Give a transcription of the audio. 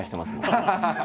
ハハハハ！